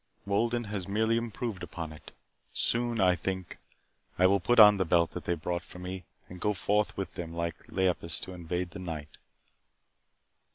Wolden has merely improved upon it. Soon, I think, I will put on the belt that they brought for me and go forth with them like Laelaps to invade the night."